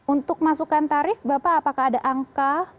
untuk masukan tarif bapak apakah ada angka